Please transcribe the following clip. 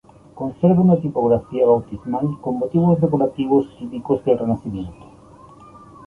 Conserva una tipografía bautismal con motivos decorativos típicos del Renacimiento.